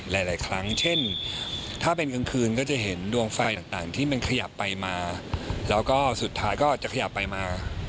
หลายครั้งเช่นถ้าเป็นกลางคืนก็จะเห็นดวงไฟต่างที่มันขยับไปมาแล้วก็สุดท้ายก็จะขยับไปมา